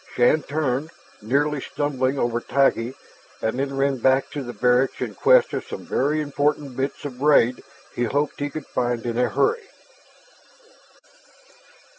Shann turned, nearly stumbling over Taggi, and then ran back to the barracks in quest of some very important bits of braid he hoped he could find in a hurry.